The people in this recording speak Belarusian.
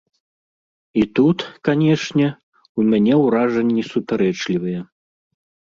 І тут, канечне, у мяне ўражанні супярэчлівыя.